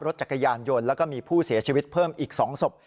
รถจักรยานยนต์แล้วก็มีผู้เสียชีวิตเพิ่มอีก๒ศพ